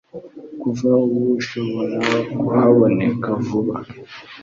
kuva ubu ashobora kuhaboneka vuba